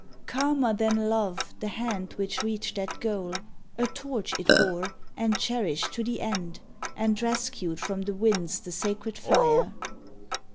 Calmer than love the hand which reached that goal; A torch it bore, and cherished to the end, And rescued from the winds the sacred fire.